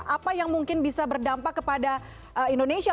apa yang mungkin bisa berdampak kepada indonesia